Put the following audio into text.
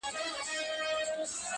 د څو شېبو لپاره -